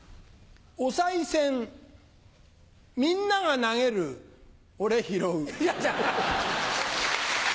おさい銭みんなが投げる俺拾う。